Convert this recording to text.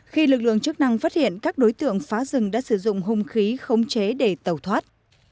khi lực lượng chức năng phát hiện các đối tượng phá rừng đã sử dụng hung khí khống chế để tẩu thoát